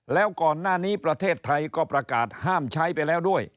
แล้วก่อนหน้านี้ประเทศไทยก็ประกาศห้ามใช้ไปแล้วด้วย